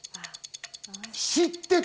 知ってた！